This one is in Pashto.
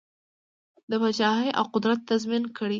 دا پاچهي او قدرت تضمین کړي.